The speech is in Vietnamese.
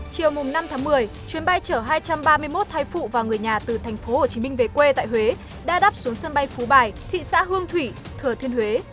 chiều năm tháng một mươi chuyến bay chở hai trăm ba mươi một thai phụ và người nhà từ tp hcm về quê tại huế đa đắp xuống sân bay phú bài thị xã hương thủy thừa thiên huế